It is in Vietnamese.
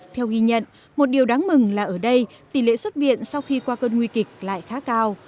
theo ghi nhận một điều đáng mừng là ở đây tỷ lệ xuất viện sau khi qua cơn nguy kịch lại khá cao